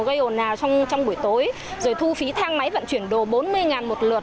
gây ồn ào trong buổi tối rồi thu phí thang máy vận chuyển đồ bốn mươi một lượt